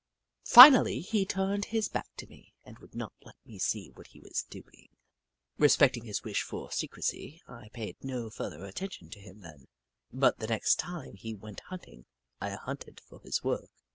Finally he turned his back to me and would not let me see what he was doing. Respecting his wish for secrecy, I paid no further attention to him then, but the next time he went hunting I hunted for his work.